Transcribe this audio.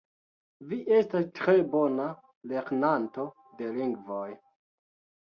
Vi estas tre bona lernanto de lingvoj